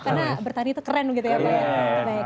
karena bertani itu keren gitu ya pak ya